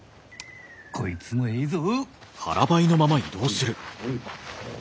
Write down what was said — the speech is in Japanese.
こいつもえいぞ！